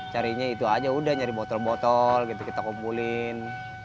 carinya itu aja udah nyari botol botol gitu kita kumpulin